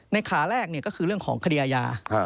ในขาแรกเนี่ยก็คือเรื่องของคดีอาญา